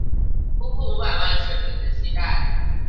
辜負五百萬選民的期待